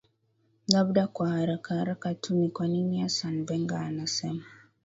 labda kwa haraka haraka tu ni kwa nini asan venga anasema